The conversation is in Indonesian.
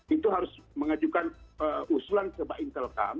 itu harus mengajukan usulan keba intelcam